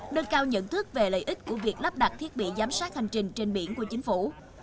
đơn cao nhận thức về lợi ích của việc lắp đặt thiết bị giám sát hành trình trên biển của chính phủ